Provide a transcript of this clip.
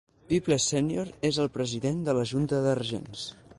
Peeples Senior és el president de la junta de regents.